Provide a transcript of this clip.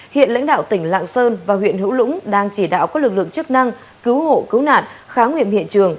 hiện lãnh đạo tỉnh lạng sơn và huyện hữu lũng đang chỉ đạo các lực lượng chức năng cứu hộ cứu nạn kháng nguyện hiện trường